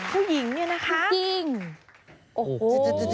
ผู้หญิงเนี่ยนะคะจริงโอ้โห